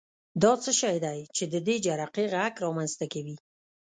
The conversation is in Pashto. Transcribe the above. دا څه شی دی چې د دې جرقې غږ رامنځته کوي؟